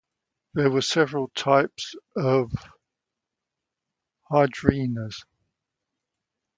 There were several types of hryvnias.